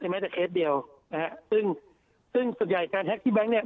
ได้ไหมแต่เคสเดียวนะฮะซึ่งซึ่งส่วนใหญ่การแฮ็กซ์ที่แบงค์เนี่ย